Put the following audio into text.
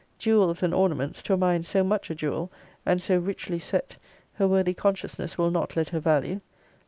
JEWELS and ornaments, to a mind so much a jewel, and so richly set, her worthy consciousness will not let her value.